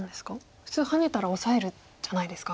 普通ハネたらオサえるじゃないですか。